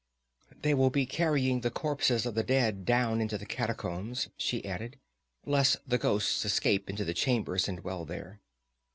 "They will be carrying the corpses of the dead down into the catacombs," she added, "lest the ghosts escape into the chambers and dwell there."